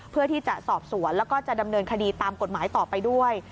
เพื่อที่จะสอบสวนแล้วก็จะดำเนินคดีตามกฎหมายต่อไปด้วย